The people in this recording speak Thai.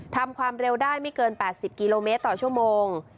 ทำความเร็วได้ไม่เกิน๘๐กิโลเมตรต่อชั่วโมง